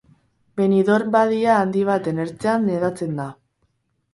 Benidorm badia handi baten ertzean hedatzen da.